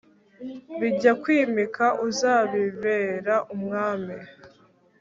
bijya kwimika uzabibera umwami